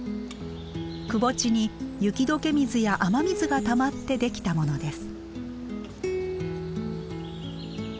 くぼ地に雪解け水や雨水がたまってできたものです。